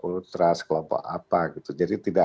ultras kelompok apa gitu jadi tidak